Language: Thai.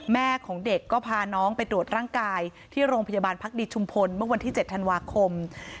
แม่ของเด็กก็พาน้องไปตรวจร่างกายที่โรงพยาบาลพักดีชุมพลเมื่อวันที่๗ธันวาคม